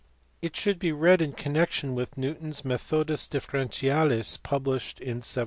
It should be read in connection with Newton s Metliodus Differentialis, published in 1736.